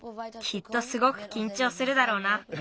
きっとすごくきんちょうするだろうな。